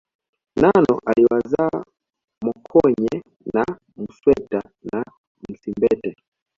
Nano aliwazaa Mokenye na Musweta na Msimbete